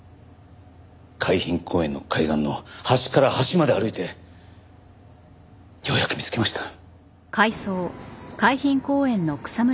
海浜公園の海岸の端から端まで歩いてようやく見つけました。